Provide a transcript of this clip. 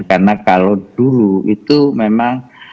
karena kalau dulu itu memang